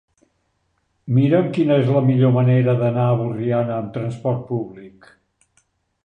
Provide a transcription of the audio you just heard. Mira'm quina és la millor manera d'anar a Borriana amb transport públic.